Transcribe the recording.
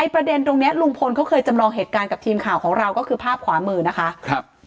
ประเด็นตรงนี้ลุงพลเขาเคยจำลองเหตุการณ์กับทีมข่าวของเราก็คือภาพขวามือนะคะ